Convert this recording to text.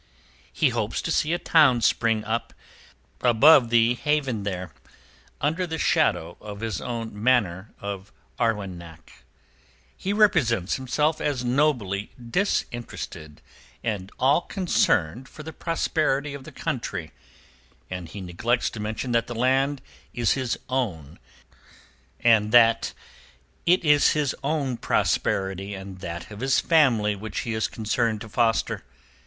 He hopes to see a town spring up above the haven there under the shadow of his own Manor of Arwenack. He represents himself as nobly disinterested and all concerned for the prosperity of the country, and he neglects to mention that the land is his own and that it is his own prosperity and that of his family which he is concerned to foster.